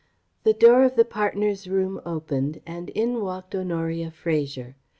The door of the partners' room opened and in walked Honoria Fraser.